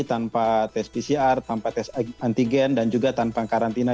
tanpa tes pcr tanpa tes antigen dan juga tanpa karantina